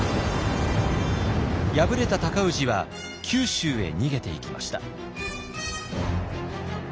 敗れた尊氏は九州へ逃げていきました。